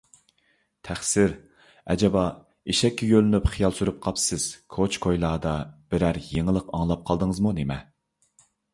تەخسىر، ئەجەبا، ئىشىككە يۆلىنىپ خىيال سۈرۈپ قاپسىز، كوچا - كويلىدا بىرەر يېڭىلىق ئاڭلاپ قالدىڭىزمۇ نېمە؟